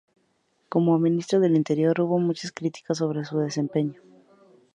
Como Ministro del Interior hubo muchas críticas sobre su desempeño.